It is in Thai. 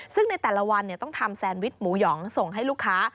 ซึ่งในแต่ละวันต้องทำแซนวิชหมูหยองส่งให้ลูกค้า